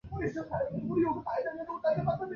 锐片毛蕨为金星蕨科毛蕨属下的一个种。